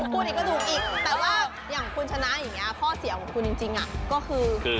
คู่นี้ก็ถูกอีกแต่ว่าอย่างคุณชนะอย่างนี้ข้อเสียของคุณจริงก็คือ